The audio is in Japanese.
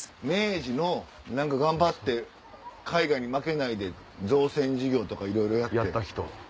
明治の頑張って海外に負けないで造船事業とかいろいろやって。